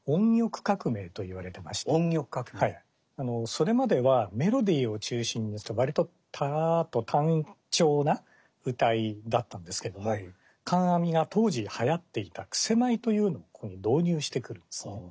それまではメロディーを中心にした割とタラっと単調な謡だったんですけれども観阿弥が当時はやっていた曲舞というのをここに導入してくるんですね。